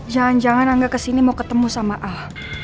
jangan jangan angga kesini mau ketemu sama ah